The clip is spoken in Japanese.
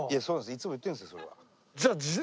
いつも言ってるんですよそれは。